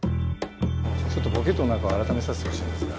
あっちょっとポケットの中あらためさせてほしいんですが。